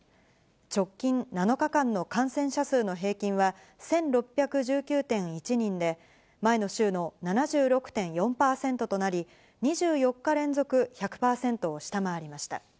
直近７日間の感染者数の平均は、１６１９．１人で、前の週の７６．４％となり、２４日連続１００％を下回りました。